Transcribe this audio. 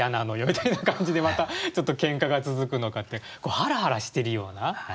みたいな感じでまたちょっとけんかが続くのかってハラハラしてるような心情。